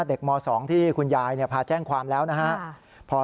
ม๒ที่คุณยายพาแจ้งความแล้วนะครับ